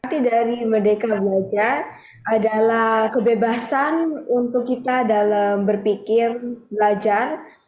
hati dari merdeka belajar adalah kebebasan untuk kita dalam berpikir belajar